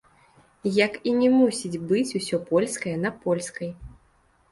Як і не мусіць быць усё польскае на польскай.